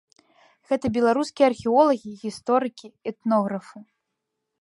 Гэта беларускія археолагі, гісторыкі, этнографы.